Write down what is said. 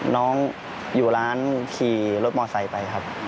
น้องอยู่ร้านขี่รถมอไซค์ไปครับ